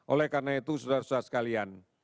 oleh karena itu saudara saudara sekalian